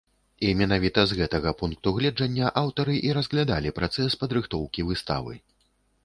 І менавіта з гэтага пункту гледжання аўтары і разглядалі працэс падрыхтоўкі выставы.